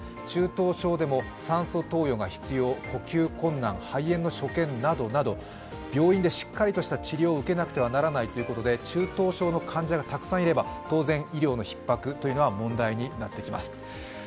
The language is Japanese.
中等症でも酸素投与が必要、呼吸困難、肺炎の所見などなど病院でしっかりとした治療を受けなければいけないということで中等症の患者がたくさんいれば当然医療のひっ迫は問題になってきます。